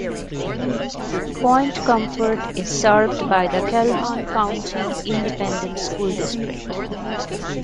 Point Comfort is served by the Calhoun County Independent School District.